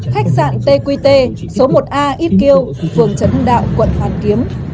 khách sạn tqt số một a yết kiêu vườn trấn đạo quận phàn kiếm